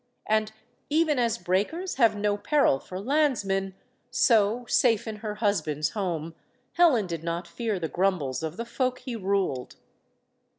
And even as breakers have no peril for landsmen, so, safe in her husband's home, Helen did not fear the grumbles of the folk he ruled.